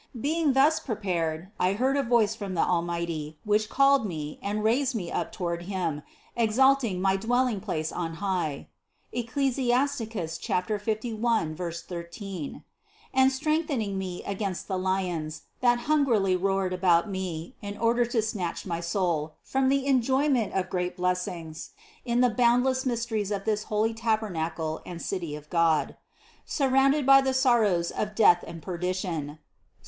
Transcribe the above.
Being thus prepared, I heard a voice from the Almighty, which called me and raised me up toward Him, exalting my dwelling place on high (Ec clus. 51, 13) and strengthening me against the lions, that hungrily roared about me in order to snatch my soul from the enjoyment of great blessings in the boundless mysteries of this holy Tabernacle and City of God. Sur rounded by the sorrows of death and perdition (Ps.